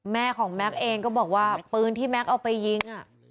แม่ของแม็กซ์เองก็บอกว่าปืนที่แก๊กเอาไปยิง